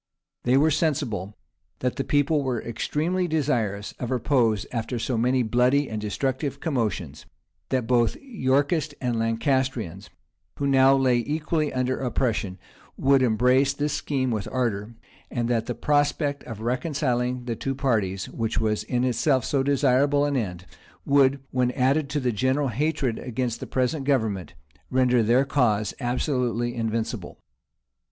They were sensible, that the people were extremely desirous of repose after so many bloody and destructive commotions; that both Yorkists and Lancastrians, who now lay equally under oppression, would embrace this scheme with ardor; and that the prospect of reconciling the two parties, which was in itself so desirable an end, would, when added to the general hatred against the present government, render their cause absolutely invincible.